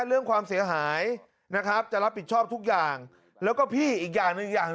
เรื่องความเสียหายนะครับจะรับผิดชอบทุกอย่างแล้วก็พี่อีกอย่างหนึ่งอย่าง